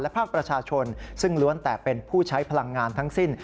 ภาคประชาชนซึ่งล้วนแต่เป็นผู้ใช้พลังงานทั้งสิ้น